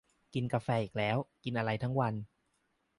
กินกาแฟอีกแล้ว กินอะไรกันทั้งวัน